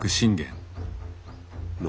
何？